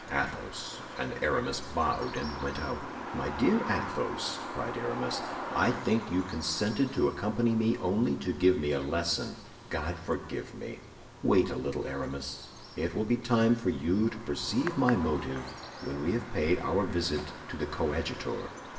Athos and Aramis bowed and went out. "My dear Athos," cried Aramis, "I think you consented to accompany me only to give me a lesson—God forgive me!" "Wait a little, Aramis; it will be time for you to perceive my motive when we have paid our visit to the coadjutor."